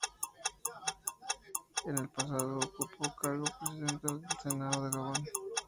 En el pasado ocupó el cargo de presidenta del Senado de Gabón.